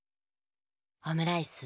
オムライス？